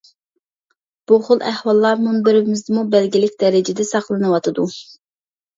بۇ خىل ئەھۋاللار مۇنبىرىمىزدىمۇ بەلگىلىك دەرىجىدە ساقلىنىۋاتىدۇ.